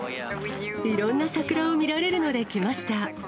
いろんな桜を見られるので来ました。